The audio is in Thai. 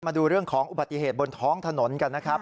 มาดูเรื่องของอุบัติเหตุบนท้องถนนกันนะครับ